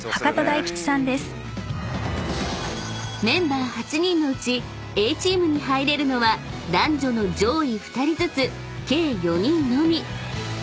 ［メンバー８人のうちＡチームに入れるのは男女の上位２人ずつ計４人のみ］